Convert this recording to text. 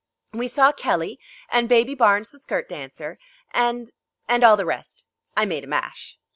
"We saw Kelly and Baby Barnes the skirt dancer and and all the rest. I made a mash."